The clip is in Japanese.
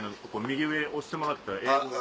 右上押してもらったら英語が。